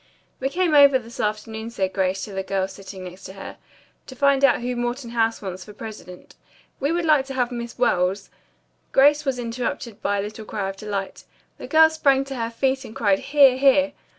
"We came over this afternoon," said Grace to the girl sitting next to her, "to find out who Morton House wants for president. We would like to have Miss Wells " Grace was interrupted by a little cry of delight. The girl sprang to her feet and cried, "Hear! hear!"